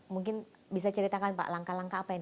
mungkin bisa ceritakan pak langkah langkah apa ini